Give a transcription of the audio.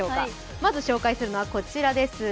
まず紹介するのはこちらです。